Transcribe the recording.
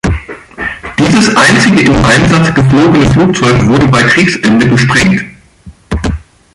Dieses einzige im Einsatz geflogene Flugzeug wurde bei Kriegsende gesprengt.